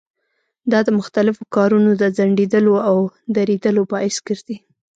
دا د مختلفو کارونو د ځنډېدلو او درېدلو باعث ګرځي.